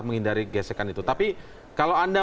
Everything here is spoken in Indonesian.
menghindari gesekan itu tapi kalau anda